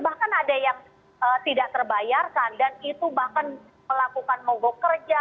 bahkan ada yang tidak terbayarkan dan itu bahkan melakukan mogok kerja